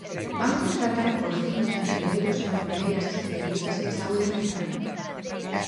¿Van contratar, por fin, enfermeiros e enfermeiras especialistas en saúde mental?